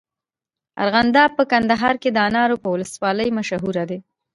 ارغنداب په کندهار کي د انارو په ولسوالۍ مشهوره دی.